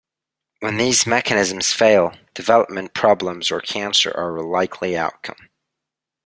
When these mechanisms fail, developmental problems or cancer are a likely outcome.